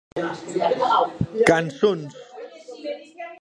Cançons!